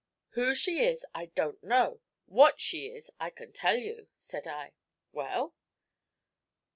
'Who she is I don't know, what she is I can tell you,' said I. 'Well?'